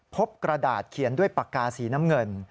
กระดาษเขียนด้วยปากกาสีน้ำเงิน